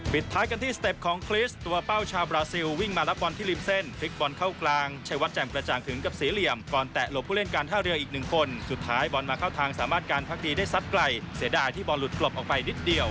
ท้ายกันที่สเต็ปของคริสตัวเป้าชาวบราซิลวิ่งมารับบอลที่ริมเส้นพลิกบอลเข้ากลางชัยวัดแจ่มกระจ่างถึงกับเสียเหลี่ยมก่อนแตะหลบผู้เล่นการท่าเรืออีกหนึ่งคนสุดท้ายบอลมาเข้าทางสามารถการพักดีได้ซัดไกลเสียดายที่บอลหลุดกลบออกไปนิดเดียว